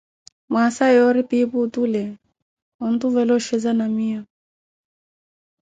Mwaasa yoori piipi otule ontuvela oxheza na miyo.